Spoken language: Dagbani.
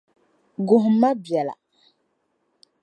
Guhimi ma biɛla.